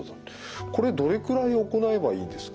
これどれくらい行えばいいんですか？